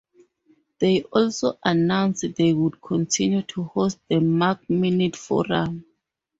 They also announced they would continue to host the MacMinute Forum.